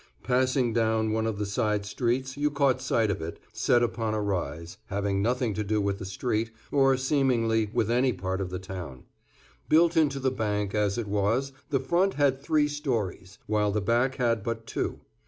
Passing down one of the side streets you caught sight of it, set upon a rise, having nothing to do with the street, or seemingly with any part of the town. Built into the bank, as it was, the front had three stories, while the back had but two.